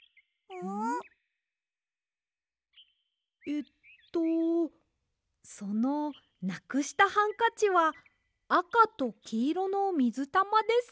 えっとそのなくしたハンカチはあかときいろのみずたまですか？